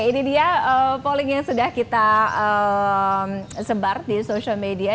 ini dia polling yang sudah kita sebar di social media